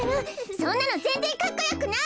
そんなのぜんぜんかっこよくない！